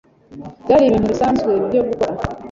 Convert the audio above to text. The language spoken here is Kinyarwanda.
byari ibintu bisanzwe byo gukora